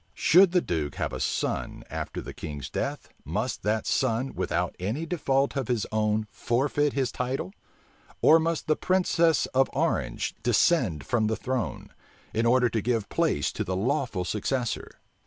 Should the duke have a son after the king's death must that son, without any default of his own forfeit his title? or must the princess of Orange descend from the throne, in order to give place to the lawful successor?